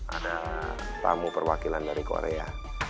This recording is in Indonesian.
ada tamu perwakilan dari korea